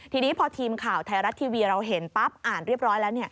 ทีนี้พอทีมข่าวไทยรัฐทีวีเราเห็นปั๊บอ่านเรียบร้อยแล้ว